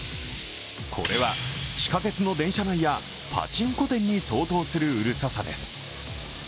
これは地下鉄の電車内やパチンコ店に相当するうるささです。